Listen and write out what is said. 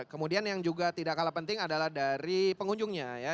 kemudian yang juga tidak kalah penting adalah dari pengunjungnya ya